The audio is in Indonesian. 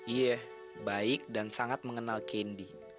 iya baik dan sangat mengenal kendi